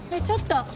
ちょっと。